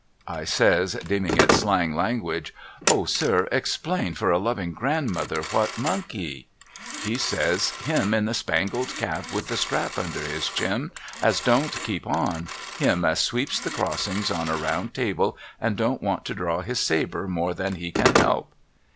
I says deeming it slang language * O sir explain for a loving grandmother what Monkey !' He says ' Him in the spangled cap with the strap under the chin, as won't keep on — him as sweeps the crossings on a round table and don't want to draw his sabre more than he can help.'